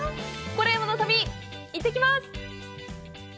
「コレうまの旅」、行ってきます！